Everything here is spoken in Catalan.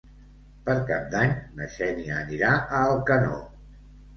Per Cap d'Any na Xènia anirà a Alcanó.